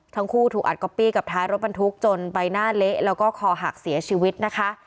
ทั้งคู่ถูกอัดก๊อปปี้กับท้ายรถบรรทุกจนใบหน้าเละแล้วก็คอหักเสียชีวิตนะคะ